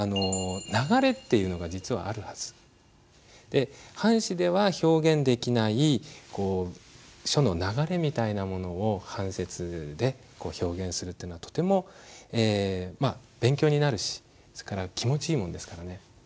で半紙では表現できない書の流れみたいなものを半切で表現するというのはとても勉強になるしそれから気持ちいいものですからね。